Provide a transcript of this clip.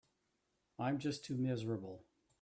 I'm just too miserable.